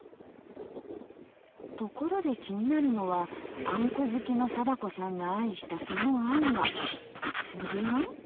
ところで気になるのはあんこ好きの貞子さんが愛したそのあんはつぶあん？